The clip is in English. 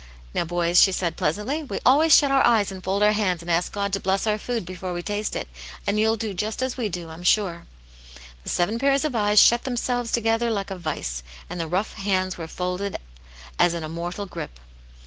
'* Now, boys," she said, pleasantly, " we always . shut our eyes and fold our hands, and ask God to bless oiir food before we taste it, and you'll do just as we do, I'm sure." The seven pairs of eyes shut themselvQS together like a vice, and the rough hands were folded as in a mortal grip.